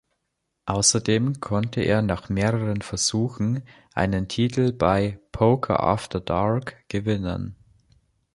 Außerdem konnte er nach mehreren Versuchen einen Titel bei "Poker After Dark" gewinnen.